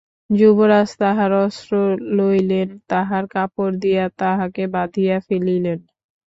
যুবরাজ তাহার অস্ত্র লইলেন, তাহার কাপড় দিয়া তাহাকে বাঁধিয়া ফেলিলেন।